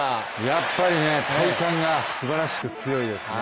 やっぱりね、体幹がすばらしく強いですね。